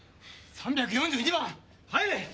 ３４２番入れ！